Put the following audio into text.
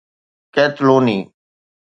قيطلوني